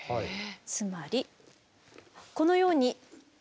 つまりこのように。